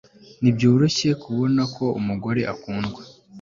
Ntibyoroshye kubona ko umugore akundwa